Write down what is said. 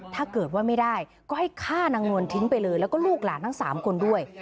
ถ้าเกิดว่าไม่ได้ก็ให้ฆ่านางนวลทิ้งไปเลยแล้วก็ลูกหลานทั้ง๓คนด้วย